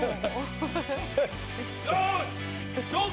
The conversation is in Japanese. よし！